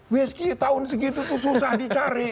wiski tahun segitu itu susah dicari